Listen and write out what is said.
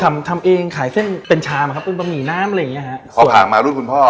ทำทำเองขายเส้นเป็นชามอะครับเป็นบะหมี่น้ำอะไรอย่างเงี้ฮะพอผ่านมารุ่นคุณพ่อ